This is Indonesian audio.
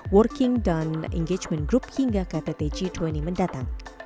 working down engagement group hingga ktt g dua puluh mendatang